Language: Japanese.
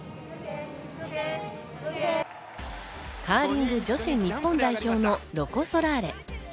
カーリング女子日本代表のロコ・ソラーレ。